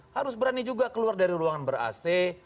harus berani juga keluar dari ruangan ber ac